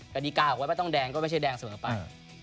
กฎิกาบอกไว้ว่าต้องแดงก็ไม่ใช่แดงเสมอไป